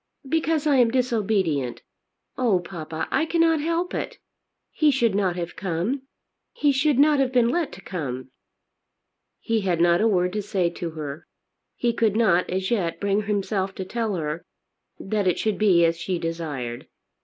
"Because I am disobedient. Oh, papa, I cannot help it. He should not have come. He should not have been let to come." He had not a word to say to her. He could not as yet bring himself to tell her, that it should be as she desired.